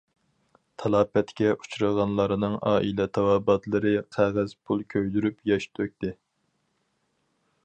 تالاپەتكە ئۇچرىغانلارنىڭ ئائىلە تاۋابىئاتلىرى قەغەز پۇل كۆيدۈرۈپ ياش تۆكتى.